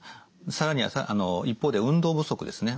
更に一方で運動不足ですね。